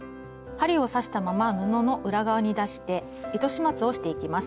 針を刺したまま布の裏側に出して糸始末をしていきます。